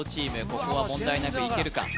ここは問題なくいけるか？